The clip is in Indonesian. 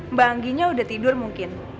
mbak angginya udah tidur mungkin